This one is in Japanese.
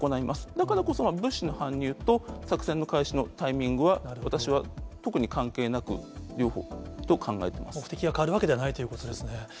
だからこそ物資の搬入と作戦の開始のタイミングは、目的は変わるわけではないということですね。